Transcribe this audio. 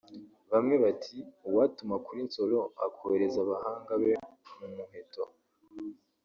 Bamwe bati "Uwatuma kuri Nsoro akohereza abahanga be mu muheto